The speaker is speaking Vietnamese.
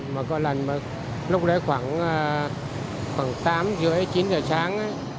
mà có lần lúc đấy khoảng tám h ba mươi chín h sáng